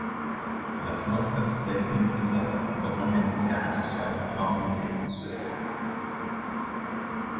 Las muertes de embarazadas normalmente se han asociado a homicidios.